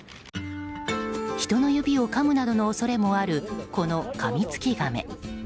人の指をかむなどの恐れもあるこのカミツキガメ。